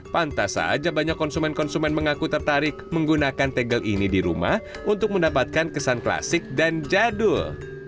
pantas saja banyak konsumen konsumen mengaku tertarik menggunakan tegel ini di rumah untuk mendapatkan kesan klasik dan jadul